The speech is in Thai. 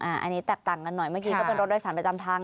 อันนี้แตกต่างกันหน่อยเมื่อกี้ก็เป็นรถโดยสารประจำทาง